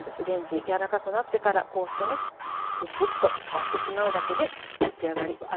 レンジ柔らかくなってからこうしてねツツッと割ってしまうだけで出来上がり。